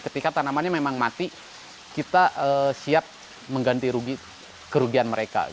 ketika tanamannya memang mati kita siap mengganti kerugian mereka